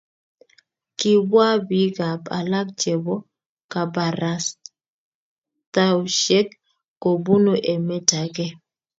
kibwa biikab alak chebo kabarastaosiek kobunu emet age